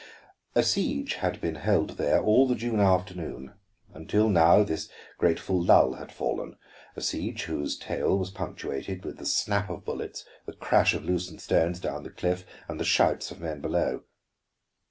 A siege had been held there all the June afternoon, until now this grateful lull had fallen, a siege whose tale was punctuated with the snap of bullets, the crash of loosened stones down the cliff, and the shouts of men below.